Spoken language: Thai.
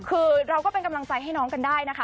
คือเราก็เป็นกำลังใจให้น้องกันได้นะคะ